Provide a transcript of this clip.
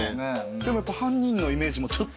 でもやっぱ犯人のイメージもちょっと。